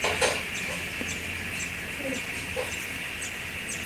La posición en Estados Unidos fue cambiando paulatinamente.